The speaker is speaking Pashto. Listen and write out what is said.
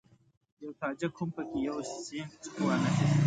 یوه تاجک هم په کې یو سینټ وانخیست.